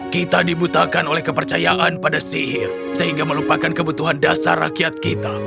kita dibutakan oleh kepercayaan pada sihir sehingga melupakan kebutuhan dasar rakyat kita